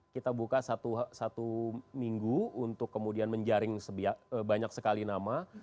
kita buka satu minggu untuk kemudian menjaring banyak sekali nama